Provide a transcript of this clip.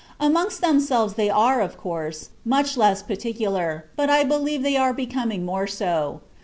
Amongst themselves they are, of course, much less particular, but I believe they are becoming more so....